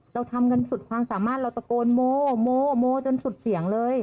เราทำกันสุดความสามารถเราตะโกนโมโมโมจนสุดเสียงเลย